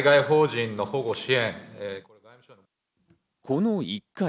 この１回。